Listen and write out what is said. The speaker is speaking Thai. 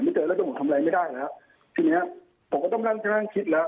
เจอแล้วจนผมทำอะไรไม่ได้แล้วทีเนี้ยผมก็ต้องนั่งข้างคิดแล้ว